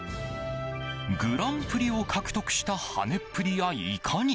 グランプリを獲得した跳ねっぷりやいかに。